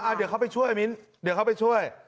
เดี๋ยวเขาไปช่วยมิ้นเดี๋ยวเขาไปช่วย